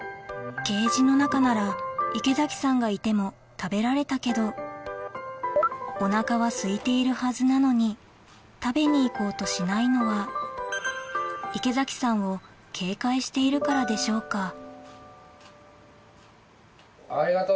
ケージの中なら池崎さんがいても食べられたけどお腹はすいているはずなのに食べに行こうとしないのは池崎さんを警戒しているからでしょうか？